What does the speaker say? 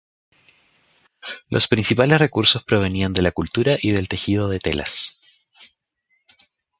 Los principales recursos provenían de la cultura y del tejido de telas.